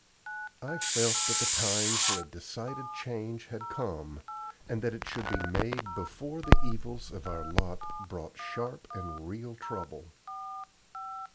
I felt that the time for a decided change had come, and that it should be made before the evils of our lot brought sharp and real trouble.